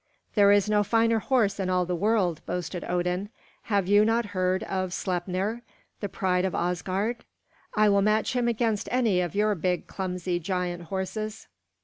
"There is no finer horse in all the world," boasted Odin. "Have you not heard of Sleipnir, the pride of Asgard? I will match him against any of your big, clumsy giant horses."